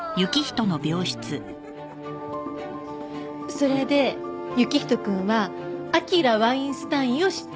それで行人くんはアキラ・ワインスタインを知ってるのね？